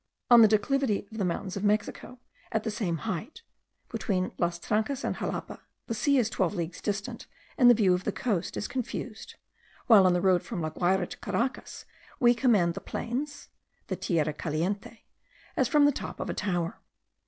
On the declivity of the mountains of Mexico, at the same height (between Las Trancas and Xalapa), the sea is twelve leagues distant, and the view of the coast is confused; while on the road from La Guayra to Caracas we command the plains (the tierra caliente), as from the top of a tower.